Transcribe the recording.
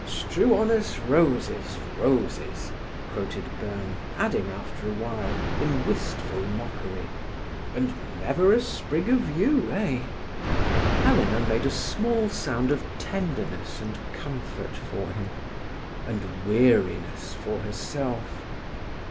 "'Strew on us roses, roses,'" quoted Byrne, adding after a while, in wistful mockery: "'And never a sprig of yew'—eh?" Helena made a small sound of tenderness and comfort for him, and weariness for herself.